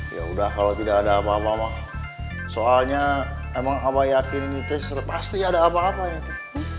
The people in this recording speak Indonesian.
ya udah kalau tidak ada apa apa mah soalnya emang apa yakin ini teser pasti ada apa apa nanti